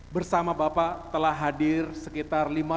selepas ketinggalan persenjataan rough